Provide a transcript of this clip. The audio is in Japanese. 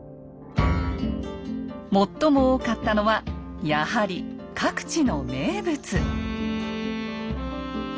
最も多かったのはやはり各地の名物。